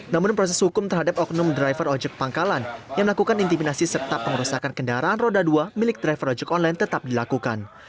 namun proses hukum terhadap oknum driver ojek pangkalan yang melakukan intimidasi serta pengerusakan kendaraan roda dua milik driver ojek online tetap dilakukan